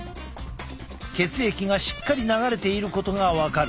血液がしっかり流れていることが分かる。